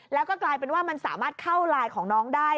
แล้วก็กลายเป็นว่ามันสามารถเข้าไลน์ของน้องได้